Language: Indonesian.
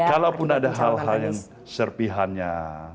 kalaupun ada hal hal yang serpihannya